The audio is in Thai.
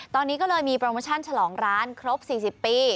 ตอนนี้ก็เลยมีโปรโมชั่นฉลองร้านครบ๔๐ปี